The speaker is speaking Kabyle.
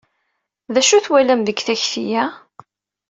D acu i twalam deg takti-a?